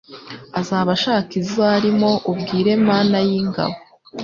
Azaba ashaka izo arimo; Ubwire Mana y' ingabo,